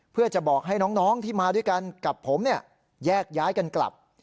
เพื่อจะบอกให้น้องที่มาด้วยกันกับผมแยกย้ายกันกลับ